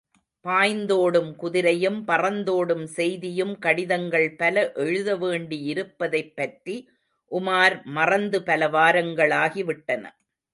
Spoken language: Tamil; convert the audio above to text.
பாய்ந்தோடும் குதிரையும் பறந்தோடும் செய்தியும் கடிதங்கள் பல எழுதவேண்டியிருப்பதைப்பற்றி உமார் மறந்து பல வாரங்களாகிவிட்டன.